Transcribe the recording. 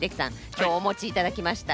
今日お持ちいただきました。